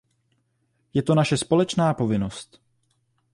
Je to naše společná povinnost.